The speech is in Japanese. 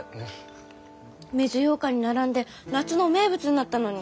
水ようかんに並んで夏の名物になったのに。